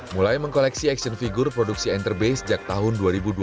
mulai mengkoleksi action figure produksi enter bay sejak tahun dua ribu dua belas